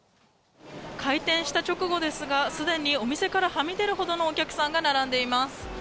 開店した直後ですが、すでにお店からはみ出るほどのお客さんが並んでいます。